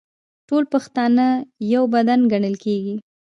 ټول پښتانه یو بدن ګڼل کیږي.